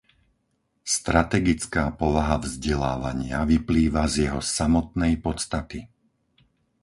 Strategická povaha vzdelávania vyplýva z jeho samotnej podstaty.